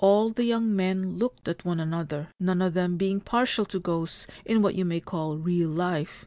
All the young men looked at one another, none of them being partial to ghosts in what you may call real life.